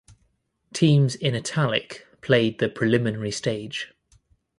Teams in "italic" played the preliminary stage.